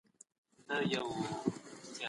که مشاهده نيمګړې وي نو پايلې خرابې وي.